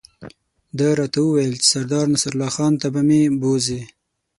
ده راته وویل چې سردار نصرالله خان ته به مې بوزي.